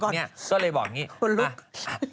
ก็เลยบอกอย่างนี้